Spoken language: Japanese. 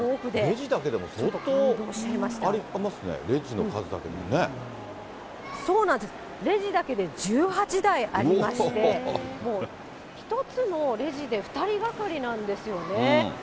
レジだけでも相当ありますね、そうなんです、レジだけで１８台ありまして、もう、１つのレジで２人がかりなんですよね。